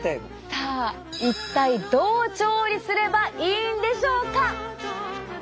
さあ一体どう調理すればいいんでしょうか？